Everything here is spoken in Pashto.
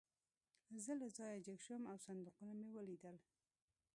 زه له ځایه جګ شوم او صندوقونه مې ولیدل